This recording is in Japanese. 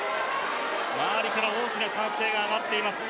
周りから大きな歓声が上がっています。